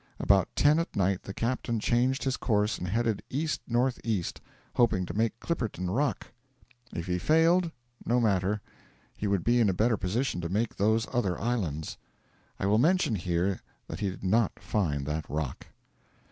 About ten at night the captain changed his course and headed east north east, hoping to make Clipperton Rock. If he failed, no matter; he would be in a better position to make those other islands. I will mention here that he did not find that rock.